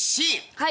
はい。